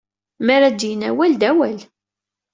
Mi ara d-yini awal, d awal!